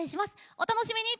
お楽しみに！